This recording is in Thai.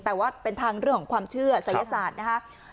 แต่ว่าเป็นทางเรื่องของความเชื่อศัยศาสตร์นะคะ